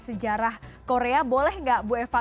sejarah korea boleh nggak bu eva